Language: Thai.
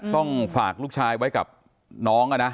ต้องฝากลูกชายไว้กับน้องนะ